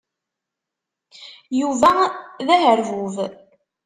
Yuba d aherbub.